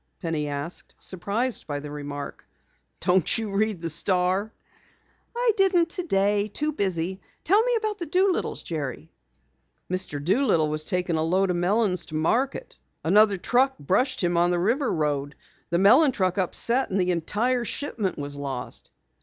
Penny asked, surprised by the remark. "Don't you ever read the Star?" "I didn't today. Too busy. Tell me about the Doolittles, Jerry." "Mr. Doolittle was taking a load of melons to market. Another truck brushed him on the River road. The melon truck upset, and the entire shipment was lost."